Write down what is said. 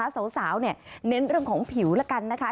สาวเน้นเรื่องของผิวแล้วกันนะคะ